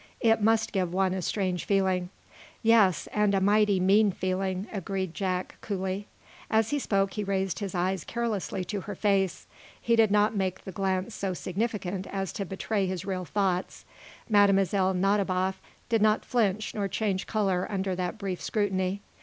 "It must give one a strange feeling." "Yes, and a mighty mean feeling," agreed Jack, coolly. As he spoke he raised his eyes carelessly to her face. He did not make the glance so significant as to betray his real thoughts. Mlle. Nadiboff did not flinch nor change color under that brief scrutiny.